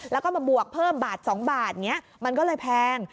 แล้วก็มาบวกเพิ่มบาท๒บาทอย่างนี้มันก็เลยแพง